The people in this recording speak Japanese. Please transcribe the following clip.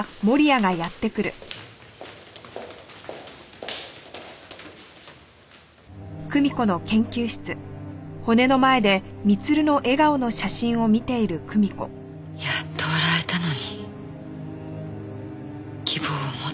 やっと笑えたのに希望を持っていたのに。